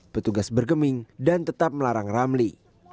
petugas bergeming dan tetap melarang ramli